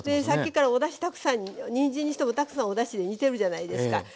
さっきからおだしたくさんにんじんにしてもたくさんおだしで煮てるじゃないですか。